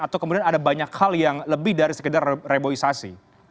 atau kemudian ada banyak hal yang lebih dari sekedar reboisasi